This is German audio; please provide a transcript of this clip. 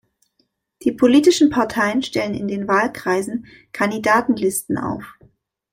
Die politischen Parteien stellen in den Wahlkreisen Kandidatenlisten auf.